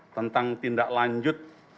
tentang tindak lanjut